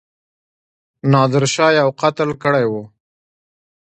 نادرشاه یو قتل کړی وو.